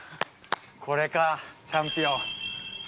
これか、チャンピオン。